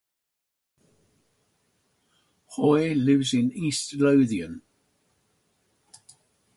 Hoy lives in East Lothian.